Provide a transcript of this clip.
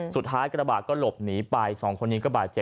สุดท้ายกระบะก็หลบหนีไป๒คนนี้กระบะเจ็บ